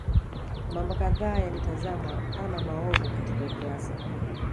Mambo kadhaa yalitazamwa kama maovu katika ukurasa